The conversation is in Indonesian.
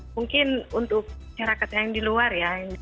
mungkin untuk masyarakat yang di luar ya